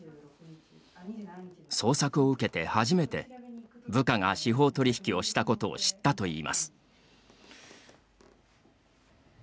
捜索を受けて初めて部下が司法取引をしたことを知ったといいます。